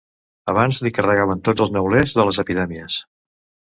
Abans li carregaven tots els neulers de les epidèmies.